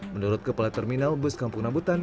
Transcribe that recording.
menurut kepala terminal bus kampung rambutan